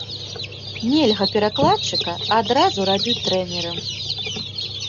Нельга перакладчыка адразу рабіць трэнерам.